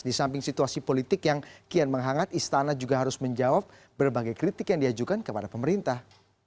di samping situasi politik yang kian menghangat istana juga harus menjawab berbagai kritik yang diajukan kepada pemerintah